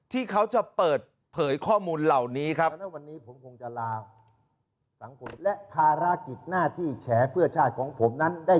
ที่เขาจะเปิดเผยข้อมูลเหล่านี้ครับ